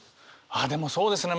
ああでもそうですね